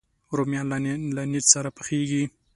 رومیان له نیت سره پخېږي